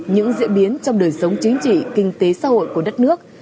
những diễn biến trong đời sống chính trị kinh tế xã hội của đất nước